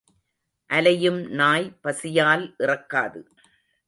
அலையும் நாய் பசியால் இறக்காது.